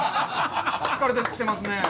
疲れてきてますね！